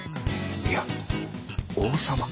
いや王様。